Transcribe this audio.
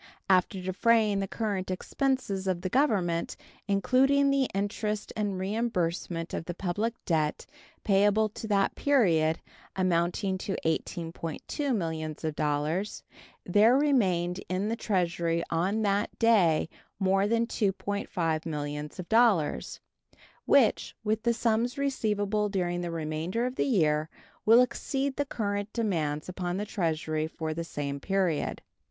After defraying the current expenses of the Government, including the Interest and reimbursement of the public debt payable to that period, amounting to $18.2 millions, there remained in the Treasury on that day more than $2.5 millions, which, with the sums receivable during the remainder of the year, will exceed the current demands upon the Treasury for the same period.